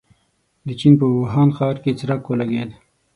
د چين په ووهان ښار کې څرک ولګېد.